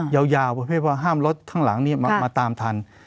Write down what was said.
ยาวให้ว่าห้ามรถข้างหลังมาตามทัน